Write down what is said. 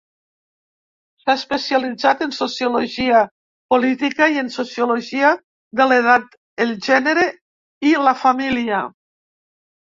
S'ha especialitzat en sociologia política i en sociologia de l'edat, el gènere i la família.